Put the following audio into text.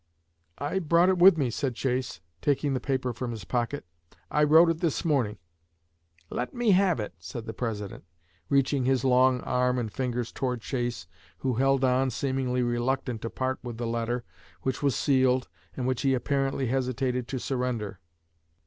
'I brought it with me,' said Chase, taking the paper from his pocket; 'I wrote it this morning.' 'Let me have it,' said the President, reaching his long arm and fingers toward Chase, who held on, seemingly reluctant to part with the letter, which was sealed, and which he apparently hesitated to surrender.